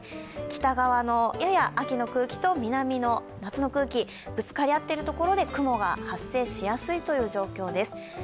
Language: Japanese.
北側のやや秋の空気と、南の夏の空気、ぶつかり合っているところで雲が発生しやすい状況です。